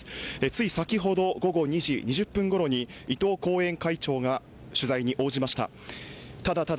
つい先ほど午後２時２０分ごろに後援会長が取材に応じました。